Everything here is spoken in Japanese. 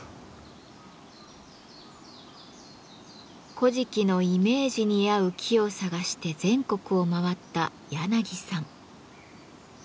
「古事記」のイメージに合う木を探して全国を回ったやなぎさん。